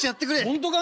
本当か！？